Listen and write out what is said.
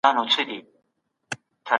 د تشبث د لا ودې لپاره زمینه برابروي.